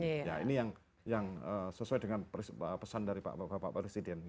ya ini yang sesuai dengan pesan dari bapak presiden